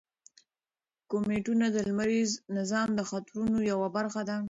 کومیټونه د لمریز نظام د خطرونو یوه برخه ده.